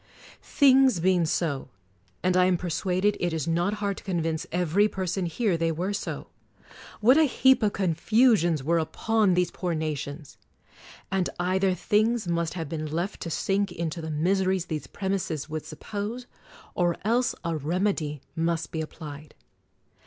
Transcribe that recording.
Things being so, — and I am persuaded it is not hard to convince every person here they were so, — what a heap of confusions were upon these poor nations ! And either things must have been left to sink into the miseries these premises would suppose, or else a remedy must be applied.